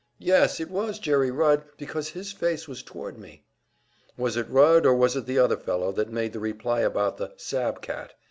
"Yes, it was Jerry Rudd, because his face was toward me." "Was it Rudd or was it the other fellow that made the reply about the `sab cat'?"